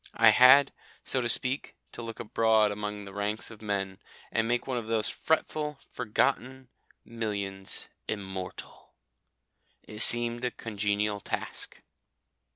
I had, so to speak, to look abroad among the ranks of men, and make one of those fretful forgotten millions immortal. It seemed a congenial task.